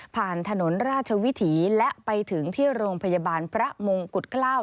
ถนนราชวิถีและไปถึงที่โรงพยาบาลพระมงกุฎเกล้า